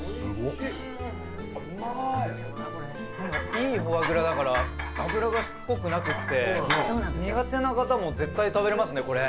いいフォアグラだから脂がしつこくなくて苦手な方も絶対食べられますねこれ。